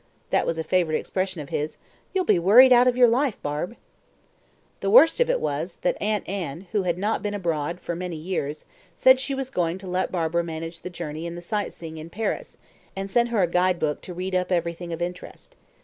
(that was a favourite expression of his) "you'll be worried out of your life, Barbe." The worst of it was, that Aunt Anne, who had not been abroad for many years, said she was going to let Barbara manage the journey and the sight seeing in Paris, and sent her a guide book to read up everything of interest.